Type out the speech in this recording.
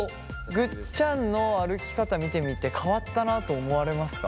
ぐっちゃんの歩き方見てみて変わったなと思われますか？